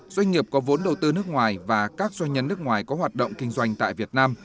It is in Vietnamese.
doanh nghiệp có vốn đầu tư nước ngoài và các doanh nhân nước ngoài có hoạt động kinh doanh tại việt nam